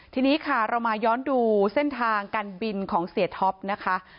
ทีนี้ค่ะเรามาย้อนดูเส้นทางการบินของเสียท็อปนะคะ